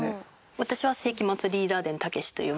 私は『世紀末リーダー伝たけし！』という漫画です。